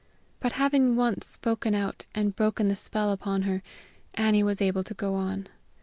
But, having once spoken out and conquered the spell upon her, Annie was able to go on.